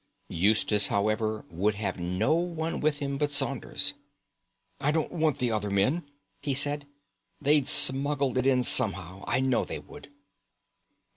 Eustace, however, would have no one with him but Saunders. "I don't want the other men," he said. "They'd smuggle it in somehow. I know they would."